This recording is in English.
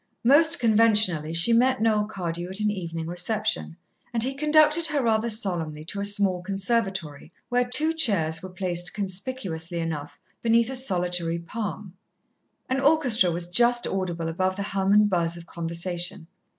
Most conventionally, she met Noel Cardew at an evening reception, and he conducted her rather solemnly to a small conservatory where two chairs were placed, conspicuously enough, beneath a solitary palm. An orchestra was just audible above the hum and buzz of conversation.